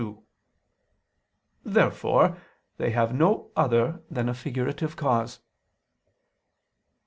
Therefore they have no other than a figurative cause.